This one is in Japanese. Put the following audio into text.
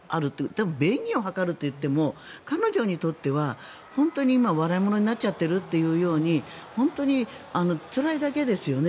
多分便宜を図るといっても彼女にとっては本当に今、笑い者になっちゃっているっていうように本当につらいだけですよね